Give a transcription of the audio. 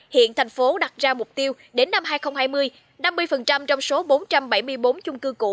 hiện tp hcm đặt ra mục tiêu đến năm hai nghìn hai mươi năm mươi trong số bốn trăm bảy mươi bốn trung cư cũ